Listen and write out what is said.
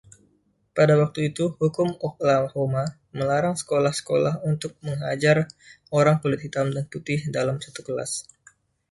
Pada waktu itu, hukum di Oklahoma melarang sekolah-sekolah untuk mengajar orang kulit hitam dan putih dalam satu kelas.